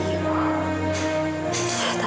tapi susah banget man